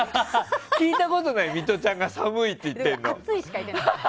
聞いたことないミトちゃんが寒いって言ってるの。